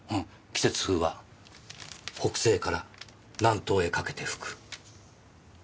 季節風は北西から南東へかけて吹く。